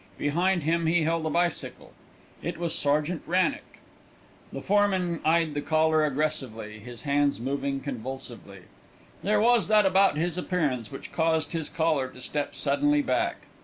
Behind him he held a bicycle. It was Sergeant Wrannock. The foreman eyed the caller aggressively, his hands moving convulsively. There was that about his appearance which caused his caller to step suddenly back.